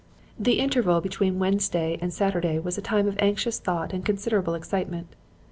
"The interval between Wednesday and Saturday was a time of anxious thought and considerable excitement.